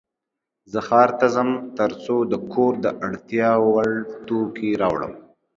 زه ښار ته ځم ترڅو د کور د اړتیا وړ توکې راوړم.